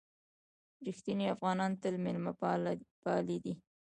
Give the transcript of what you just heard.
رښتیني افغانان تل مېلمه پالي دي.